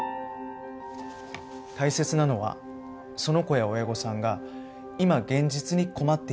大切なのはその子や親御さんが今現実に困っているかどうかです。